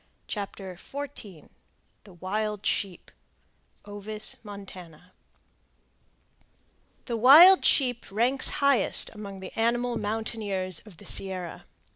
CHAPTER XIV THE WILD SHEEP (Ovis montana) The wild sheep ranks highest among the animal mountaineers of the Sierra.